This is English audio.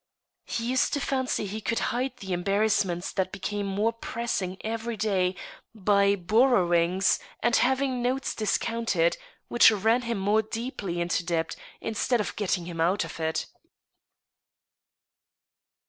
He used to fancy he could hide the embarrassments that became more pressing every day by borrowings and having notes discounted, which ran him more deeply into debt, instead of getting him out of it.